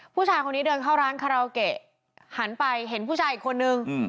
ผู้ชายคนนี้เดินเข้าร้านคาราโอเกะหันไปเห็นผู้ชายอีกคนนึง